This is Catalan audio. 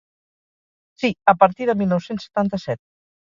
Sí, a partir de mil nou-cents setanta-set.